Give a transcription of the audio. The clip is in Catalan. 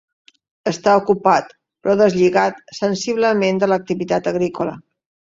Està ocupat però deslligat sensiblement de l'activitat agrícola.